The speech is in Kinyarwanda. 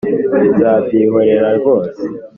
nzabyihorera rwose